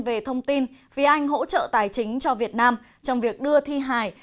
về thông tin vì anh hỗ trợ tài chính cho việt nam trong việc đưa thi hài